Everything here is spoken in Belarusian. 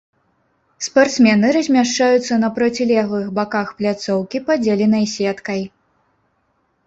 Спартсмены размяшчаюцца на процілеглых баках пляцоўкі, падзеленай сеткай.